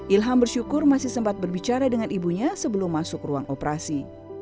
ilham bersyukur masih sempat berbicara dengan ibunya sebelum masuk ruang operasi